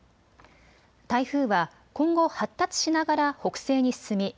台風は今後、発達しながら北西に進み